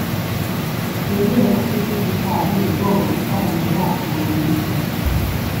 nizere ko ufite ubutwari bwo gutangira bundi bushya